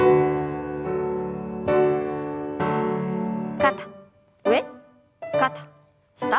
肩上肩下。